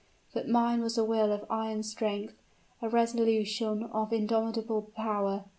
But mine was a will of iron strength a resolution of indomitable power!